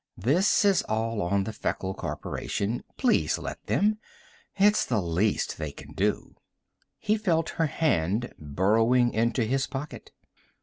"This is all on the Feckle Corporation. Please let them it's the least they can do." He felt her hand burrowing into his pocket.